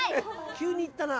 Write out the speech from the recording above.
急に行ったな。